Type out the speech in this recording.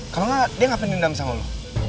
kalau enggak dia ngapain dendam sama lo